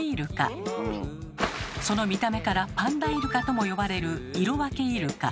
その見た目から「パンダイルカ」とも呼ばれるイロワケイルカ。